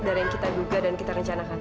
dari yang kita duga dan kita rencanakan